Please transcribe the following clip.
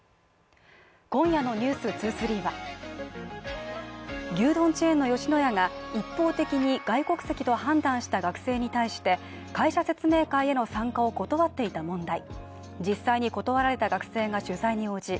今夜の「ｎｅｗｓ２３」は、牛丼チェーンの吉野家が一方的に外国籍と判断した学生に対して会社説明会への参加を断っていた問題。